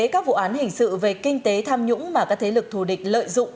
các vụ án hình sự về kinh tế tham nhũng mà các thế lực thù địch lợi dụng